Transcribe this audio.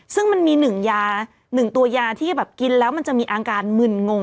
ซึ่งมันมี๑ตัวยาที่กินแล้วมันจะมีอาการหมื่นงง